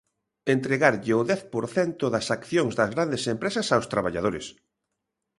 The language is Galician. Entregarlle o dez por cento das accións das grandes empresas aos traballadores.